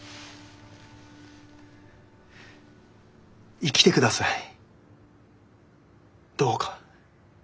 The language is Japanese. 生きてくださいどうか。